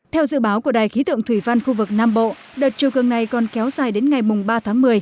theo dự báo của đài khí tượng thủy văn khu vực nam bộ đợt chiều cường này còn kéo dài đến ngày ba tháng một mươi